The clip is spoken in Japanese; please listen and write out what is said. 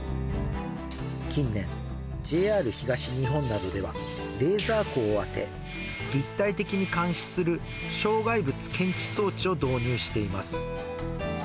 近年、ＪＲ東日本などでは、レーザー光を当て、立体的に監視する障害物検知装置を導入しています。